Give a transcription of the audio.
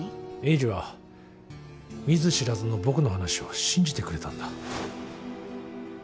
栄治は見ず知らずの僕の話を信じてくれたんだ。